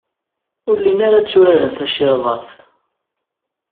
Ur llin ara tturaren tacirḍart.